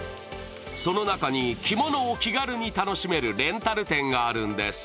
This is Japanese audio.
その中に着物を気軽に楽しめるレンタル店があるんです。